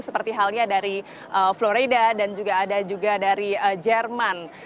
seperti halnya dari florida dan ada juga dari jerman